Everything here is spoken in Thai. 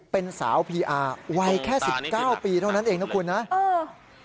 เป็นสาวพีอาร์วัยแค่๑๙ปีเท่านั้นเองนะครับ